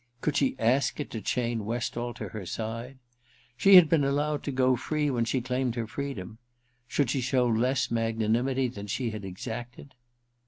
^ Could she ask it to chain Westall to her side ? She had been allowed to go free when she claimed her freedom — should she show less magnanimity than she had exacted